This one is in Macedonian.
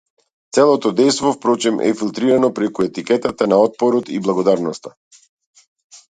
Целото дејство впрочем е филтритано преку етикетата на отпорот и благородноста.